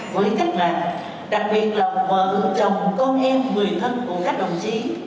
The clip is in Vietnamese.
với cách mạng đặc biệt là vợ chồng con em người thân của các đồng chí